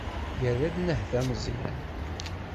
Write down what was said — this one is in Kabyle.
Yerra-d nnehta Meẓyan.